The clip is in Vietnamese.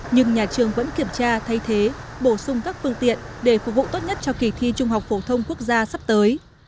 nhưng nhà trường vẫn kiểm tra thay thế bổ sung các phương tiện để phục vụ tốt nhất cho kỳ thi trung học phổ thông quốc gia sắp tới